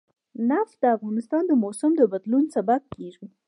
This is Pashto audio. نفت د افغانستان د موسم د بدلون سبب کېږي.